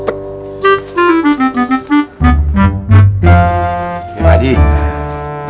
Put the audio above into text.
oke pak ji